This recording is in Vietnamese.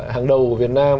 hàng đầu của việt nam